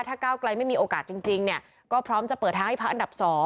ถ้าก้าวไกลไม่มีโอกาสจริงเนี่ยก็พร้อมจะเปิดทางให้พักอันดับ๒